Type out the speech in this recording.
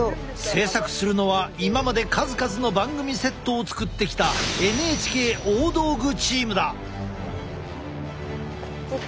制作するのは今まで数々の番組セットを作ってきたＮＨＫ大道具チームだ！